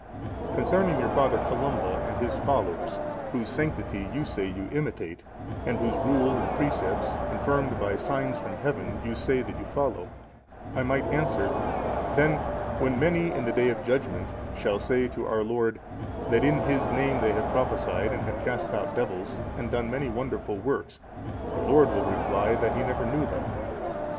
Concerning your Father Columba and his followers, whose sanctity you say you imitate, and whose rule and precepts confirmed by signs from Heaven you say that you follow, I might answer, then when many, in the day of judgement, shall say to our Lord, that in His name they have prophesied, and have cast out devils, and done many wonderful works, our Lord will reply, that He never knew them.